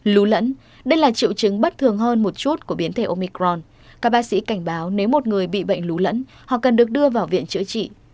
lún lẫn đây là triệu chứng bất thường hơn một chút của biến thể omicron các bác sĩ cảnh báo nếu một người bị bệnh lún lẫn họ cần được đưa vào viện chữa trị